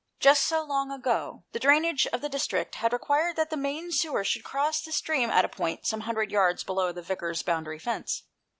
Just so long ago the drainage of the district had required that the main sewer should cross the stream at a point some hundred yards below the Vicar's boundary fence.